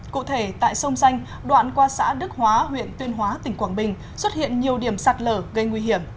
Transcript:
cụ thể tại sông danh đoạn qua xã đức hóa huyện tuyên hóa tỉnh quảng bình xuất hiện nhiều điểm sạt lở gây nguy hiểm